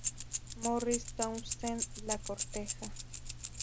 Morris Townsend la corteja.